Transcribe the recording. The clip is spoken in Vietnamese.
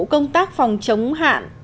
công tác phòng chống hạn